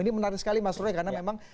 ini menarik sekali mas roy karena memang